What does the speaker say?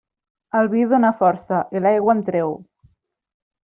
El vi dóna força i l'aigua en treu.